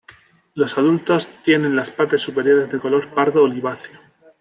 Los adultos tienen las partes superiores de color pardo oliváceo.